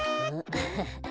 アハハ。